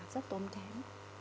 rất tốn kém